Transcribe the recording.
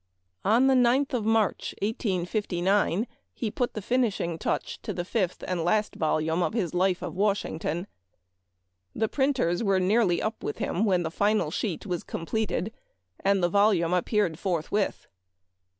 On the 9th of March, 1859, ne P ut tne finish ing touch to the fifth and last volume of his " Life of Washington." The printers were nearly up with him when the final sheet was completed, and the volume appeared forthwith.